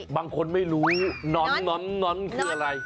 บางคนไม่รู้น้อนคืออะไร